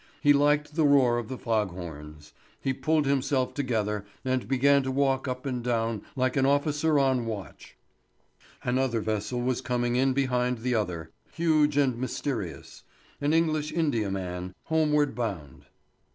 He liked the roar of the fog horns. He pulled himself together and began to walk up and down like an officer on watch. Another vessel was coming in behind the other, huge and mysterious. An English India man, homeward bound.